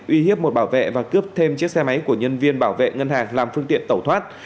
uy hiếp một bảo vệ và cướp thêm chiếc xe máy của nhân viên bảo vệ ngân hàng làm phương tiện tẩu thoát